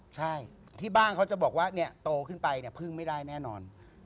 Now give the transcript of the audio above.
ใช่ที่บ้างเขาจะบอกว่าโตขึ้นไปพึ่งไม่ได้แน่นอน